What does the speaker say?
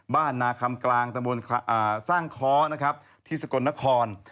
นาคำกลางตะบนสร้างค้อนะครับที่สกลนคร